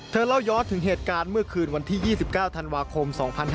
เล่าย้อนถึงเหตุการณ์เมื่อคืนวันที่๒๙ธันวาคม๒๕๕๙